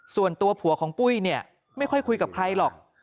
ส่วนตัวผัวของปุ้ยเนี่ยไม่ค่อยคุยกับใครหรอก